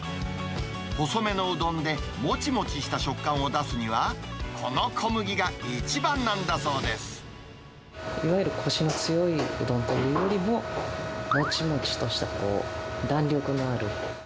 細めのうどんでもちもちした食感を出すには、この小麦が一番なんいわゆるこしの強いうどんというよりも、もちもちとした弾力のある。